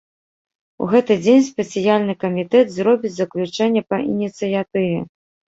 У гэты дзень спецыяльны камітэт зробіць заключэнне па ініцыятыве.